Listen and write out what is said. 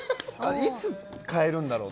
いつ替えるんだろうって。